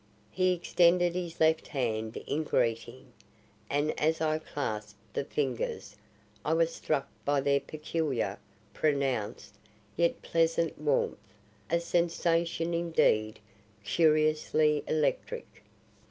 He extended his left hand in greeting, and as I clasped the fingers I was struck by their peculiar, pronounced, yet pleasant warmth; a sensation, indeed, curiously electric.